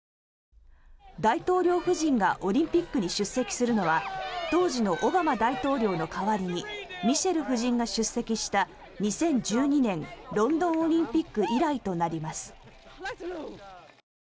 大統領夫人がオリンピックに出席するのは当時のオバマ大統領の代わりにミシェル夫人が出席した２０１２年ロンドンオリンピック以来となります。